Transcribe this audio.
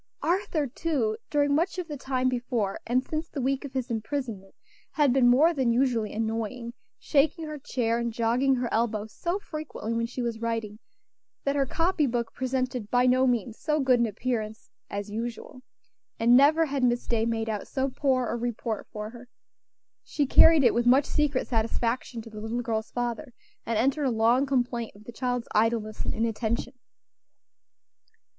Arthur, too, during much of the time before and since the week of his imprisonment, had been more than usually annoying, shaking her chair and jogging her elbow so frequently when she was writing, that her copy book presented by no means so good an appearance as usual; and never had Miss Day made out so poor a report for her. She carried it with much secret satisfaction to the little girl's father, and entered a long complaint of the child's idleness and inattention.